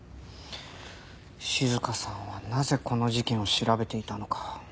静香さんはなぜこの事件を調べていたのか。